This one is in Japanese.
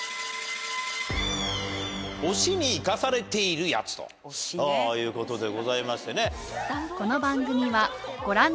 推しに生かされているヤツということでございましてね。